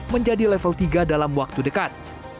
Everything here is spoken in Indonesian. menjadi level tiga dalam waktu dekat